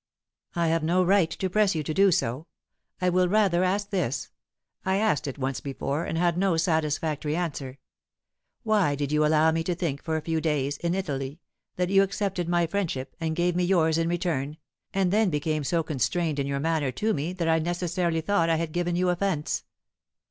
"I have no right to press you to do so. I will rather ask this I asked it once before, and had no satisfactory answer why did you allow me to think for a few days, in Italy, that you accepted my friendship and gave me yours in return, and then became so constrained in your manner to me that I necessarily thought I had given you offence?"